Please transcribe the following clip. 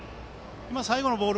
最後のボール